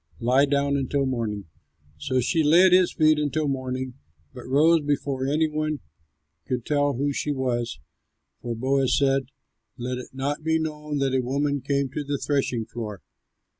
Lie down until morning." So she lay at his feet until morning, but rose before any one could tell who she was, for Boaz said, "Let it not be known that a woman came to the threshing floor."